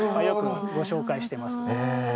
よくご紹介しています。